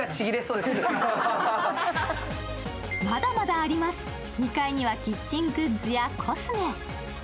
まだまだあります、２階にはキッチングッズやコスメ。